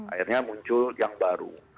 akhirnya muncul yang baru